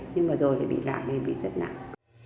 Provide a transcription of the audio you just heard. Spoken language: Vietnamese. nhưng mà rồi lại bị lạ bị rất nặng